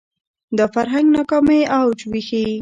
دا فرهنګ ناکامۍ اوج ښيي